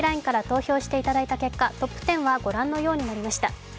ＬＩＮＥから投票していただいた結果トップ１０はご覧のようになりました。